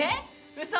うそ！！